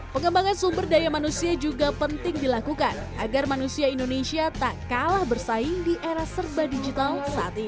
pengembangan sumber daya manusia juga penting dilakukan agar manusia indonesia tak kalah bersaing di era serba digital saat ini